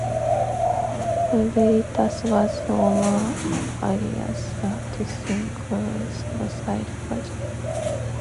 Ursus Veritas was the former alias for Dustin Kensrue's solo side project.